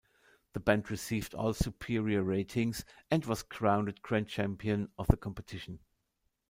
The band received all superior ratings and was crowned Grand Champion of the competition.